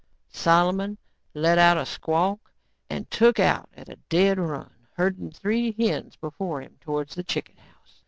Solomon let out a squawk and took out at a dead run, herding three hens before him towards the chicken house.